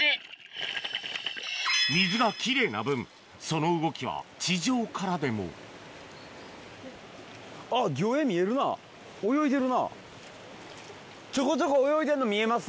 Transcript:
水が奇麗な分その動きは地上からでもちょこちょこ泳いでんの見えます。